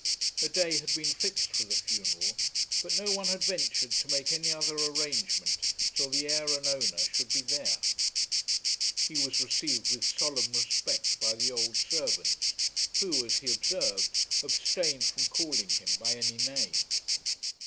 A day had been fixed for the funeral, but no one had ventured to make any other arrangement till the heir and owner should be there. He was received with solemn respect by the old servants who, as he observed, abstained from calling him by any name.